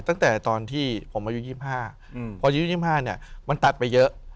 ตั้งแต่ตอนที่ผมอายุ๒๕พออายุ๒๕เนี่ยมันตัดไปเยอะ